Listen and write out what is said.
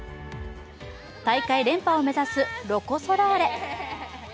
大会連覇を目指す、ロコ・ソラーレ。